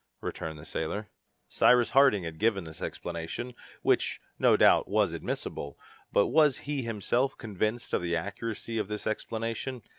returned the sailor. Cyrus Harding had given this explanation, which, no doubt, was admissible. But was he himself convinced of the accuracy of this explanation?